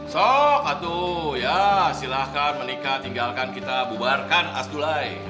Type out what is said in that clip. sok atuh ya silahkan menikah tinggalkan kita bubarkan asdulai